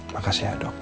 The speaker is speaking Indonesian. makasih ya dok